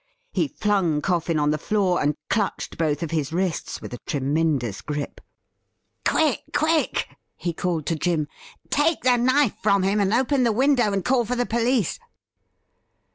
He 'flimg Coffin on the floor, and clutched both of his wrists ■with a tremendous grip. A LEAP IN THE DARK 807 ' Quick, quick !' he called to Jim ;' take the knife from him and open the window and call for the police.'